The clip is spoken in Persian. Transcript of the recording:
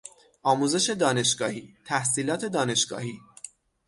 آموزش دانشگاهی، تحصیلات دانشگاهی